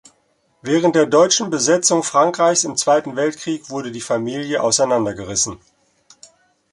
Während der deutschen Besetzung Frankreichs im Zweiten Weltkrieg wurde die Familie auseinandergerissen.